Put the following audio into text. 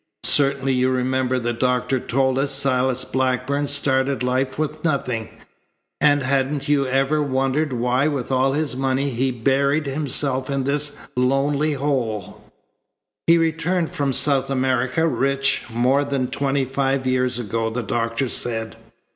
Certainly you remember the doctor told us Silas Blackburn started life with nothing; and hadn't you ever wondered why with all his money he buried himself in this lonely hole?" "He returned from South America, rich, more than twenty five years ago," the doctor said.